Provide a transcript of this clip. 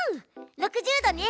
６０度ね。